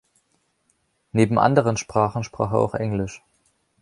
Neben anderen Sprachen sprach er auch Englisch.